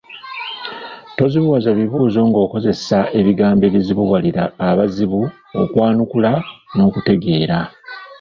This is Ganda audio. Tozibuwaza bibuuzo ng’okozesa ebigambo ebizibuwalira abazibuzi okwanukula n’okutegeera.